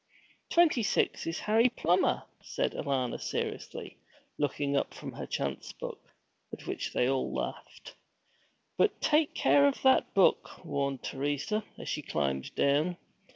"' 'Twenty six is Harry Plummer,' said Alanna seriously, looking up from her chance book; at which they all laughed. 'But take care of that book,' warned Teresa, as she climbed down.